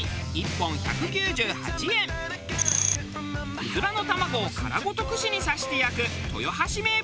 うずらの卵を殻ごと串に刺して焼く豊橋名物。